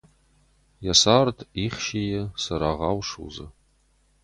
Йӕ цард ихсийы, цырагъау судзы.